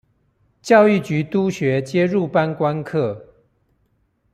教育局督學皆入班觀課